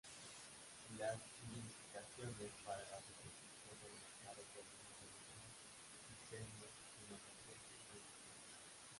Las licitaciones para la reconstrucción del Mercado Corona se abrirían: Diseño, cimentación y construcción.